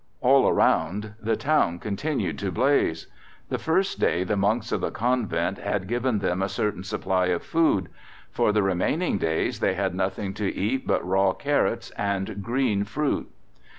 All around the town continued to blaze. The first day the monks of the Convent had given them a certain supply of food. For the remaining days they had nothing to eat but raw carrots and green fruit.